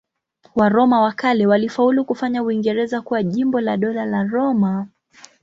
Waroma wa kale walifaulu kufanya Uingereza kuwa jimbo la Dola la Roma.